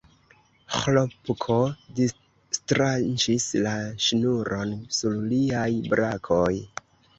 Ĥlopko distranĉis la ŝnuron sur liaj brakoj.